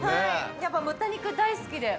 やっぱ豚肉大好きで！